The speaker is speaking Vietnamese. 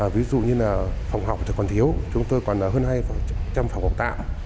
ví dụ như là phòng học thì còn thiếu chúng tôi còn hơn hai trăm linh phòng học tạm